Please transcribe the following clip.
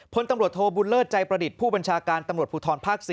พลตำรวจโทบุญเลิศใจประดิษฐ์ผู้บัญชาการตำรวจภูทรภาค๔